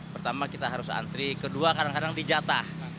pertama kita harus antri kedua kadang kadang di jatah